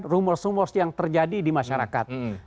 rumor rumors yang terjadi di masyarakat